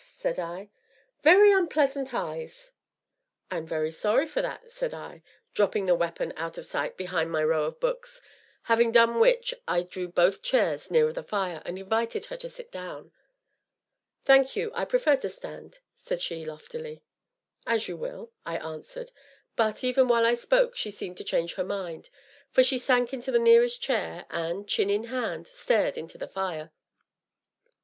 said I. " very unpleasant eyes!" "I am very sorry for that," said I, dropping the weapon out of sight behind my row of books, having done which, I drew both chairs nearer the fire, and invited her to sit down. "Thank you, I prefer to stand," said she loftily. "As you will," I answered, but, even while I spoke, she seemed to change her mind, for she sank into the nearest chair, and, chin in hand, stared into the fire.